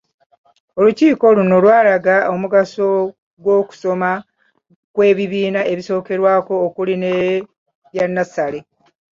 Olukiiko luno lwalaga omugaso gw’okusoma kw’ebibiina ebisookerwako okuli n’ebya nnassale.